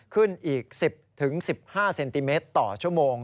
ขึ้นอีก๑๐๑๕เซนติเมตรต่อชั่วโมง